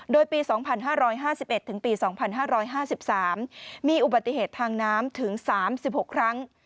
โดยปี๒๕๕๑ถึงปี๒๕๕๓มีอุบัติเหตุทางน้ำถึง๓๖ครั้ง